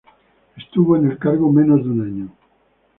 Estuvo en el cargo menos de un año.